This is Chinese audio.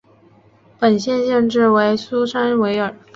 本县县治为苏珊维尔。